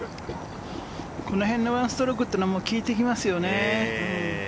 この辺の１ストロークというのは効いてきますよね。